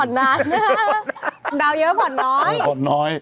ดาวเยอะผ่อนน้อย